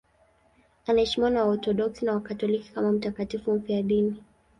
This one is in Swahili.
Anaheshimiwa na Waorthodoksi na Wakatoliki kama mtakatifu mfiadini.